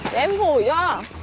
để em gửi cho